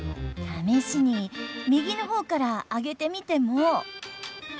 ためしに右の方からあげてみても。